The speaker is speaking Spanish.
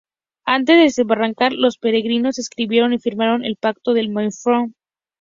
Antes de desembarcar, los peregrinos escribieron y firmaron el Pacto del Mayflower.